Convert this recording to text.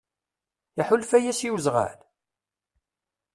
Iḥulfa-yas i wezɣal?